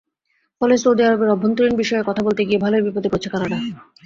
ফলে সৌদি আরবের অভ্যন্তরীণ বিষয়ে কথা বলতে গিয়ে ভালোই বিপদে পড়েছে কানাডা।